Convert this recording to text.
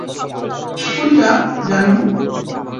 কোনটা, জানু?